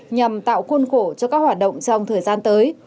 nhằm tạo khuôn khổ cho các hoạt động trong thời gian tới